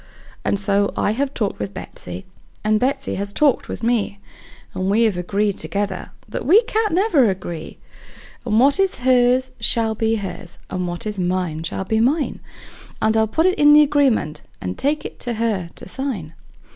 And so I have talked with Betsey, and Betsey has talked with me, And we have agreed together that we can't never agree; And what is hers shall be hers, and what is mine shall be mine; And I'll put it in the agreement, and take it to her to sign.